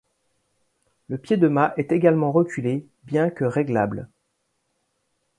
Le pied de mât est également reculé, bien que réglable.